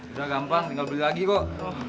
udah gampang tinggal beli lagi kok